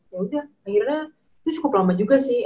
yaudah akhirnya itu cukup lama juga sih